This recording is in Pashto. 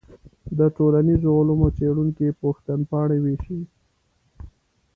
د ټولنیزو علومو څېړونکي پوښتنپاڼې ویشي.